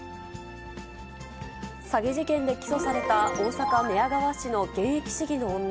詐欺事件で起訴された、大阪・寝屋川市の現役市議の女。